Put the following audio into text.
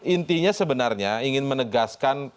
intinya sebenarnya ingin menegaskan